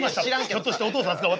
ひょっとしてお父さんですか？